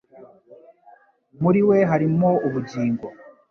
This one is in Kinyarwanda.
«Muri we harimo ubugingo.»